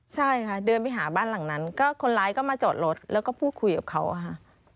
ใช่ค่ะเดินไปหาบ้านหลังนั้นก็คนร้ายก็มาจอดรถแล้วก็พูดคุยกับเขาอะค่ะ